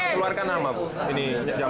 keluarkan nama bu ini jam dua